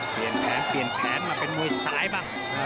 เปลี่ยนแผนเปลี่ยนแผนมาเป็นมวยซ้ายบ้าง